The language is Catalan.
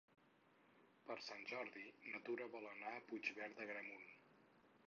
Per Sant Jordi na Tura vol anar a Puigverd d'Agramunt.